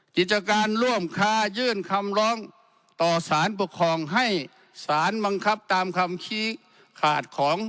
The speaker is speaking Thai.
กิจการร่วมค่ายื่นคำร้องต่อสารปกครองให้สารบังคับตามคำชี้ขาดของ